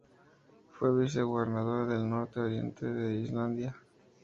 Fue vicegobernador del norte y oriente de Islandia.